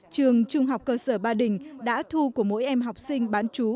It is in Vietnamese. trường trung học cơ sở ba đình đã thu của mỗi em học sinh bán chú